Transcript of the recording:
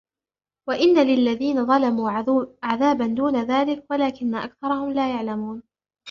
وإن للذين ظلموا عذابا دون ذلك ولكن أكثرهم لا يعلمون